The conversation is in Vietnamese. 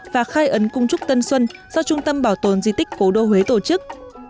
và khai ấn cung trúc tân xuân do trung tâm bảo tồn di tích cố đô huế tổ chức